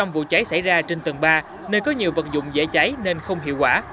năm vụ cháy xảy ra trên tầng ba nơi có nhiều vật dụng dễ cháy nên không hiệu quả